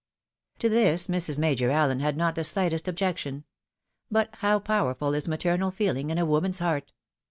To this Mrs. Major AUen had not the slightest objection ; but how powerful is maternal feeling in a woman's heart!